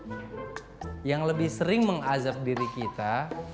siapa sih yang lebih sering mengazab diri kita